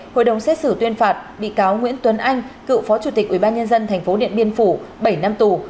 hội đồng xét xử tuyên phạt bị cáo nguyễn tuấn anh cựu phó chủ tịch ubnd tp điện biên phủ bảy năm tù